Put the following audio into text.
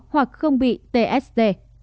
hoặc không bị tsd